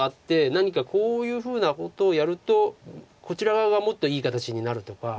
何かこういうふうなことをやるとこちら側がもっといい形になるとか。